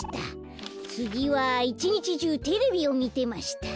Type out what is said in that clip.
つぎは「いち日じゅうてれびをみてました」。